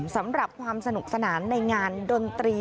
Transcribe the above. สำหรับความสนุกสนานในงานดนตรี